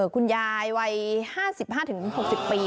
คุณยายวัย๕๕๖๐ปี